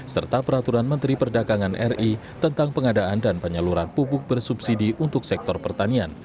serta peraturan menteri perdagangan ri tentang pengadaan dan penyaluran pupuk bersubsidi untuk sektor pertanian